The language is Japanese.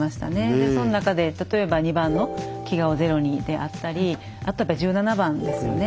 でその中で例えば２番の「飢餓をゼロに」であったりあとはやっぱ１７番ですよね。